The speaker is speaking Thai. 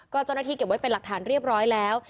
ก็เจ้าหน้าที่เก็บไว้เป็นหลักฐานเรียบร้อยแล้ว